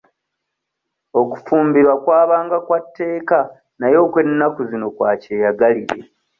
Okufumbirwa kwabanga kwa tteeka naye okw'ennaku zino kwa kyeyagalire.